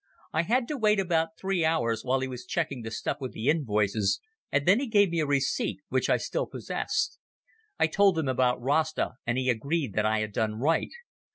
I had to wait about three hours while he was checking the stuff with the invoices, and then he gave me a receipt which I still possess. I told him about Rasta, and he agreed that I had done right.